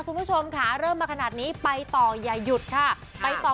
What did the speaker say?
คุณผู้ชมค่ะเริ่มมาขนาดนี้ไปต่ออย่าหยุดค่ะไปต่อ